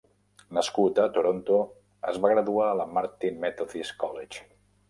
Nascut a Toronto, es va graduar a la Martin Methodist College.